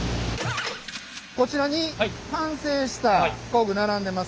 こちらに完成した工具並んでます。